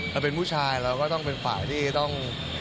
เราเป็นผู้ชายเราก็ต้องเป็นฝ่ายที่ต้อง